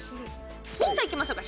ヒントいきましょうか。